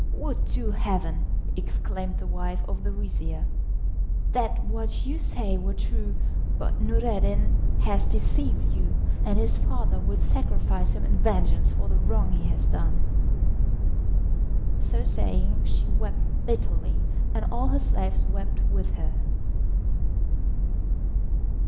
"Would to heaven," exclaimed the wife of the vizir, "that what you say were true; but Noureddin has deceived you, and his father will sacrifice him in vengeance for the wrong he has done." So saying, she wept bitterly, and all her slaves wept with her.